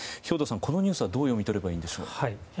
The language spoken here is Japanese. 兵頭さん、このニュースはどう読み取ればいいんでしょう。